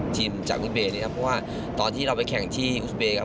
ทีมจากอุสเบียเลยเพราะว่าตอนที่เราไปแข่งที่อุสเบีย